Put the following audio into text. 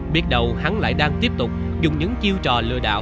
biết đầu hắn lại đang tiếp tục dùng những chiêu trò lừa đảo những cô gái nhẹ dã khác